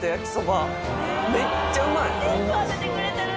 全部当ててくれてる。